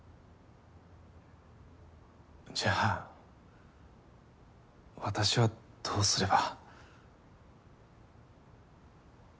じゃあ私はどうすれば？